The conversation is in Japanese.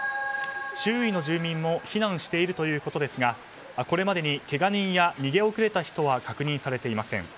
周囲の住民も避難しているということですがこれまでにけが人や逃げ遅れた人は確認されていません。